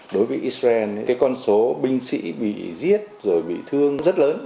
đối với israel con số binh sĩ bị giết rồi bị thương rất lớn